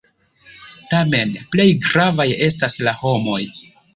Tamen plej gravaj estas la homoj.